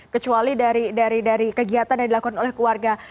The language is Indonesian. kecuali dari kegiatan yang dilakukan oleh keluarga